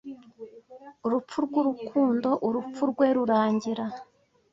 urupfu rwurukundo urupfu rwe rurangira